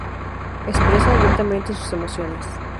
Expresa abiertamente sus emociones.